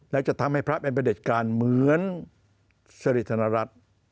แล้วจะทำให้พระเป็นประเด็จการเหมือนสริธนรัฐ